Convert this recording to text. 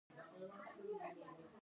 ایا له ناروغ کس سره مو ناسته کړې ده؟